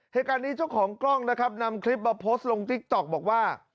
เหตุการณ์นี้เจ้าของกล้องนะครับนำคลิปมาโพสต์ลงติ๊กต๊อกบอกว่า